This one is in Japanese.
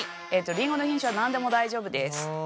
りんごの品種は何でも大丈夫です。